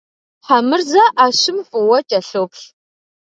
Хьэмырзэ ӏэщым фӏыуэ кӏэлъоплъ.